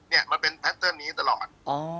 เนี่ยมันเป็นแพคเติ้ลนี้ตลอด